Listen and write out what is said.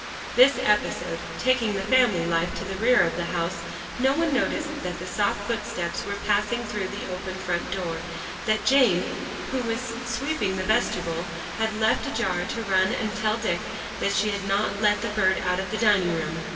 This episode taking the family life to the rear of the house, no one noticed that soft footsteps were passing through the open front door, that Jane, who was sweeping the vestibule, had left ajar to run and tell Dick that she had not let the bird out of the dining room.